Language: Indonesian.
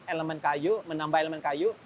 elemen kayu menambah elemen kayu